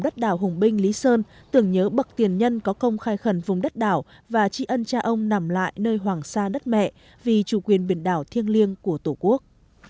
cây nêu của người dân lý sơn được gìn giữ bảo tồn đến ngày nay đây là nghi lễ dựng nêu của người dân lý sơn được gìn giữ bảo tồn đến ngày nay đây là nghi lễ dựng nêu của người dân lý sơn